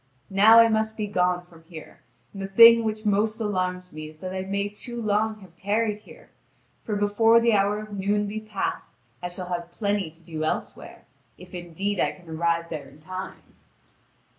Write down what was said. Now I must be gone from here, and the thing which most alarms me is that I may too long have tarried here, for before the hour of noon be passed I shall have plenty to do elsewhere, if indeed I can arrive there in time."